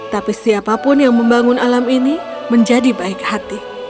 tapi siapapun yang membangun alam ini menjadi baik hati